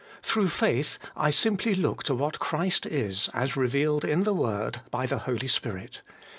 Through faith I simply look to what Christ is, as revealed in the Word by the Holy Spirit.